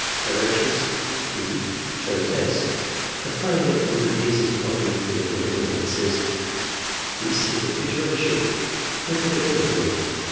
Directions, — E. shows S. the frame with the pieces properly fitted therein, and says: '' This is a picture of a ship. Look at it carefully.